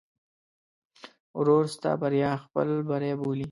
ورور ستا بریا خپل بری بولي.